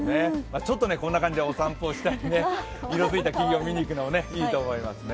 ちょっとこんな感じでお散歩をしたり、色づいた木々を見に行くのもいいと思います。